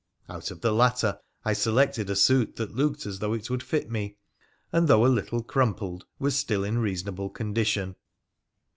Out of the latter I selected a suit that looked as though it would fit me, and, though a little crumpled, was still in reason able condition.